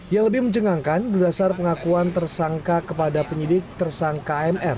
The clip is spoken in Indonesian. yang lebih menjengangkan berdasar pengakuan tersangka kepada penyidik tersangka mr